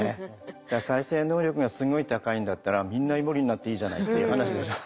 再生能力がすごい高いんだったらみんなイモリになっていいじゃないっていう話でしょ。